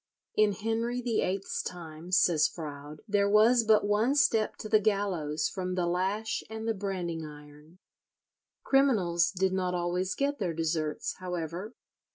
"In Henry VIII's time," says Froude, "there was but one step to the gallows from the lash and the branding iron." Criminals did not always get their deserts, however.